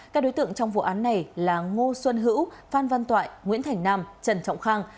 các đối tượng trong vụ án này là ngô xuân hữu phan văn toại nguyễn thành nam trần trọng khang